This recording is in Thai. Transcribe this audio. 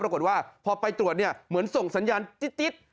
ปรากฏว่าพอไปตรวจเนี่ยเหมือนส่งสัญญาณติ๊ด